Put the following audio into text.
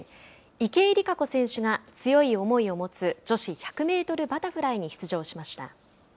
池江璃花子選手が強い思いを持つ女子１００メートルバタフライに出場しました。